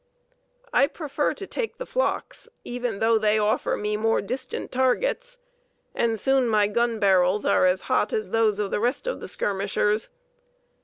"I prefer to take the flocks, even though they offer me more distant targets, and soon my gun barrels are as hot as those of the rest of the skirmishers.